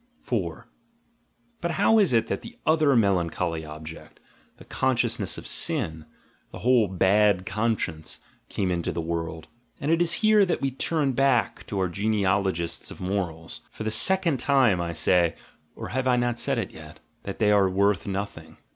But how is it that that other melancholy object, the consciousness of sin, the whole "bad conscience," came into the world? And it is here that we turn back to our genealogists of morals. For the second time I say — or have I not said it yet? — that they are worth nothing.